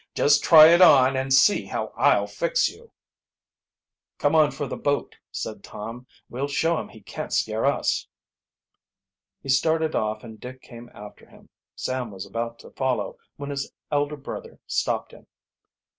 "Just try it on and see how I'll fix you." "Come on for the boat," said Tom. "We'll show him he can't scare us." He started off and Dick came after him. Sam was also about to follow, when his elder brother stopped him.